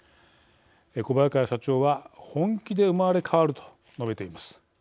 小早川社長は本気で生まれ変わると述べています。